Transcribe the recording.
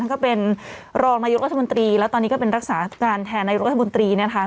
ก็เป็นรองนายกรัฐมนตรีแล้วตอนนี้ก็เป็นรักษาการแทนนายกรัฐมนตรีนะคะ